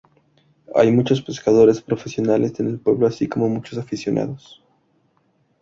Hay muchos pescadores profesionales en el pueblo así como muchos aficionados.